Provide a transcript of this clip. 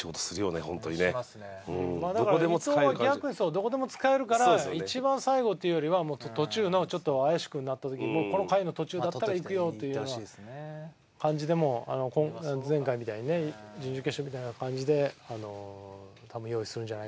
どこでも使えるから一番最後というよりは途中のちょっと怪しくなった時この回の途中だったらいくよというような感じでもう前回みたいにね準々決勝みたいな感じで多分用意するんじゃないかな。